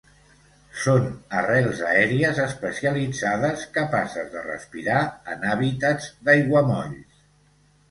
Són arrels aèries especialitzades capaces de respirar en hàbitats d'aiguamolls.